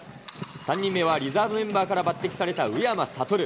３人目はリザーブメンバーから抜てきされた宇山賢。